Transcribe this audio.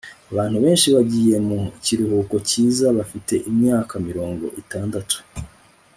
abantu benshi bagiye mu kiruhuko cyiza bafite imyaka mirongo itandatu